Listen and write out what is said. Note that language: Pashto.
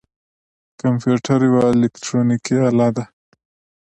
کمپیوټر یوه الکترونیکی آله ده